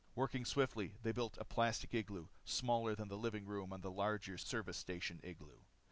Working swiftly, they built a plastic igloo, smaller than the living room in the larger service station igloo.